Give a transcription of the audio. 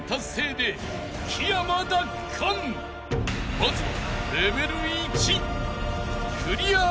［まずは］